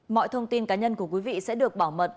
mọi thông tin cá nhân của quý vị sẽ được bảo mật